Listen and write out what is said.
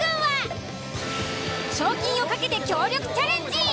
賞金を懸けて協力チャレンジ。